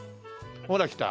ほら来た。